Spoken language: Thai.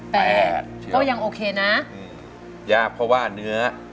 เพื่อรับความรับทราบของคุณ